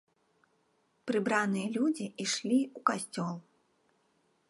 Прыбраныя людзі ішлі ў касцёл.